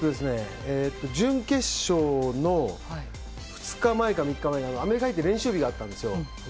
準決勝の２日前か３日前にアメリカ入って練習日があったんですよ。